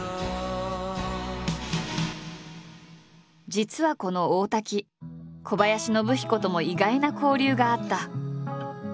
実はこの大滝小林信彦とも意外な交流があった。